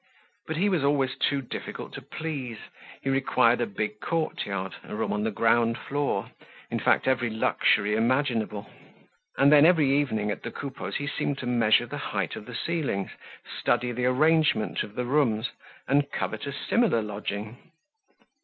But he was always too difficult to please; he required a big courtyard, a room on the ground floor; in fact, every luxury imaginable. And then every evening, at the Coupeaus', he seemed to measure the height of the ceilings, study the arrangement of the rooms, and covet a similar lodging.